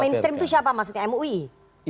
mainstream itu siapa maksudnya mui